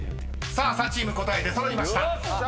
［さあ３チーム答え出揃いました］